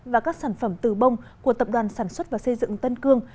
và các sản phẩm từ bông của tập đoàn sản xuất và xây dựng tân cương